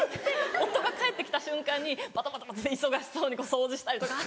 夫が帰って来た瞬間にばたばたって忙しそうに掃除したりとか。